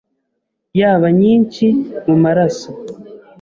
yaba nyinshi mu maraso